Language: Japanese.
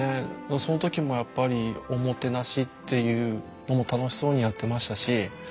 その時もやっぱりおもてなしっていうのも楽しそうにやってましたし。